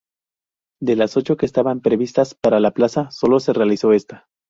De las ocho que estaban previstas para la plaza solo se realizó esta.